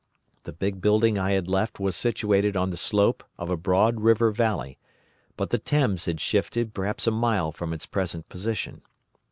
The big building I had left was situated on the slope of a broad river valley, but the Thames had shifted, perhaps, a mile from its present position.